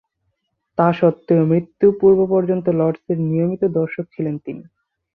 তাস্বত্ত্বেও মৃত্যু পূর্ব-পর্যন্ত লর্ডসের নিয়মিত দর্শক ছিলেন তিনি।